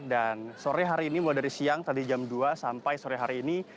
dan sore hari ini mulai dari siang tadi jam dua sampai sore hari ini